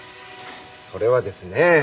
それはですね